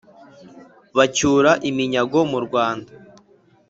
bacyura iminyago mu rwanda.